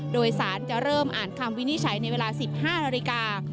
โดยสารจะเริ่มอ่านคำวินิจฉัยในเวลา๑๕นาฬิกา